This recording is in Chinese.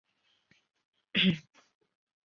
阿尔然人口变化图示